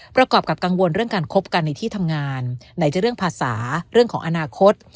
ประกอบกับกังวลเรื่องการคบกันในที่ทำงานไหนจะเรื่องภาษาเรื่องของอนาคต